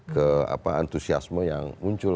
ke antusiasme yang muncul